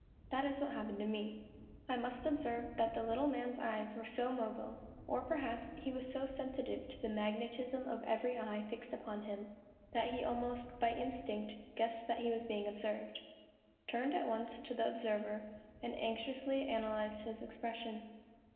That is what happened to me. I must observe that the little man's eyes were so mobile, or perhaps he was so sensitive to the mag netism of every eye fixed upon him, that he almost by instinct guessed that he was being observed, turned at once to the observer and anxiously analysed his expression.